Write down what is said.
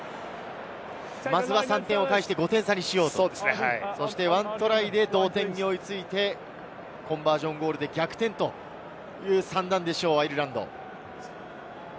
まずは３点を返して５点差にしよう、そして、１トライで同点に追いついて、コンバージョンゴールで逆転という算段でしょう、アイルランド。